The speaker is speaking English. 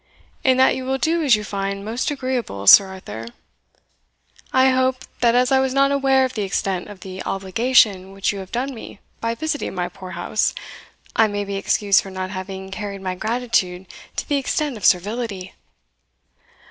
"In that you will do as you find most agreeable, Sir Arthur; I hope, that as I was not aware of the extent of the obligation which you have done me by visiting my poor house, I may be excused for not having carried my gratitude to the extent of servility."